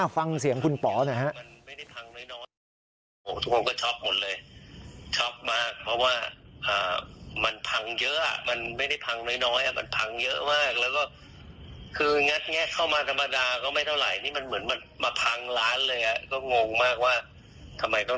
ฟังเสียงคุณป๋อนะครับ